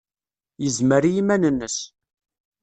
Yezmer i yiman-nnes.